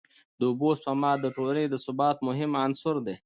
د اوبو سپما د ټولني د ثبات مهم عنصر دی.